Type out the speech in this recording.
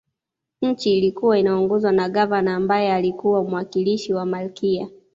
Nchi ilikuwa inaongozwa na Gavana ambaye alikuwa mwakilishi wa Malkia